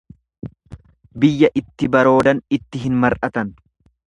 Biyya itti baroodan itti hin mar'atan.